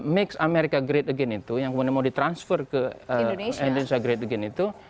mix america great again itu yang kemudian mau ditransfer ke indonesia great again itu